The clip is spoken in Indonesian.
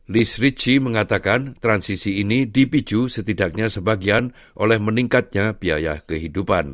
liz ritchie mengatakan transisi ini dipiju setidaknya sebagian oleh meningkatnya biaya kehidupan